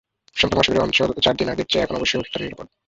প্রশান্ত মহাসাগরীয় অঞ্চল চার দিন আগের চেয়ে এখন অবশ্যই অধিকতর নিরাপদ।